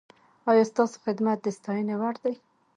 ایا ستاسو خدمت د ستاینې وړ دی؟